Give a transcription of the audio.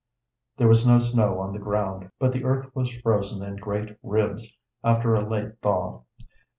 There was no snow on the ground, but the earth was frozen in great ribs after a late thaw.